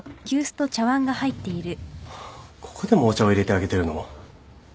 ここでもお茶を入れてあげてるの？